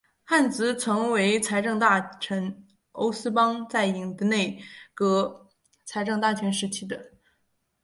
汉兹曾为财政大臣欧思邦在影子内阁财政大臣时期的。